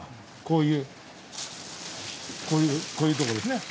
こういうこういうとこですね。